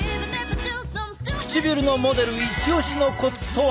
唇のモデル一押しのコツとは！